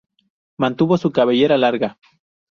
Mantuvo su cabellera larga.